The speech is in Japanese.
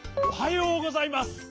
おはようございます。